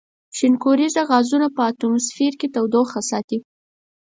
شینکوریزه غازونه په اتموسفیر کې تودوخه ساتي.